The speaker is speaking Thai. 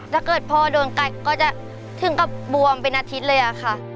ถ้าเกิดพ่อโดนกัดก็จะถึงกับบวมเป็นอาทิตย์เลยอะค่ะ